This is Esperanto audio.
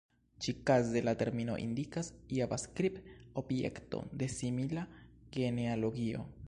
Ĉikaze la termino indikas Javascript-objekto de simila genealogio.